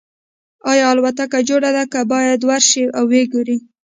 ایا الوتکه جوړه ده که باید ورشئ او وګورئ